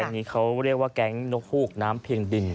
อันนี้เขาเรียกว่าแก๊งนกฮูกน้ำเพียงดิน